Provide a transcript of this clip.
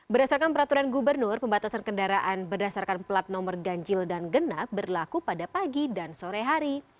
berdasarkan peraturan gubernur pembatasan kendaraan berdasarkan plat nomor ganjil dan genap berlaku pada pagi dan sore hari